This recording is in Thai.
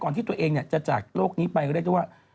ก่อนที่ตัวเองจะจากโรคนี้ไปก็ได้ด้วยว่า